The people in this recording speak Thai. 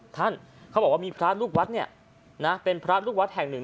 ท่านเขาบอกว่ามีพระลูกวัดเนี่ยนะเป็นพระลูกวัดแห่งหนึ่ง